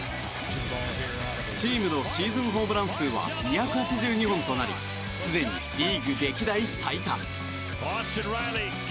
チームのシーズンホームラン数は２８２本となりすでにリーグ歴代最多。